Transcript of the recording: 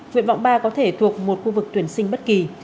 nguyện vọng ba có thể thuộc một khu vực tuyển sinh bất kỳ